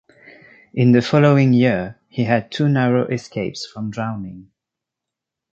In the following year, he had two narrow escapes from drowning.